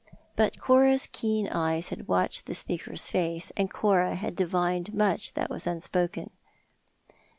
But Cora's keen eyes had watched the speaker's face, and Cora had divined much that was unspoken.